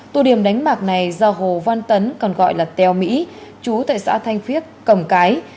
tù điểm đánh bạc này do hồ văn tấn còn gọi là tèo mỹ chú tại xã thanh phiết cầm cái